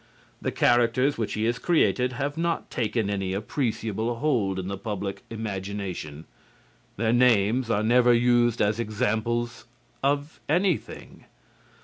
The characters which he has created have not taken any appreciable hold in the public imagination. Their names are never used as examples of anything.